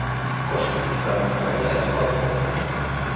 Кошт квітка складае два долары.